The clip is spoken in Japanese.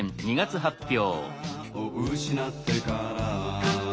「貴女を失ってから」